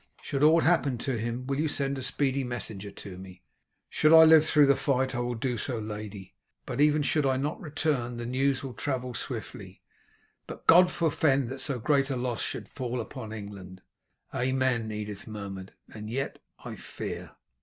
Should aught happen to him, will you send a speedy messenger to me?" "Should I live through the fight I will do so, lady, but even should I not return the news will travel swiftly; but God forfend that so great a loss should fall upon England." "Amen," Edith murmured, "and yet I fear.